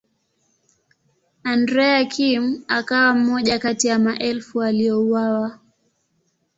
Andrea Kim akawa mmoja kati ya maelfu waliouawa.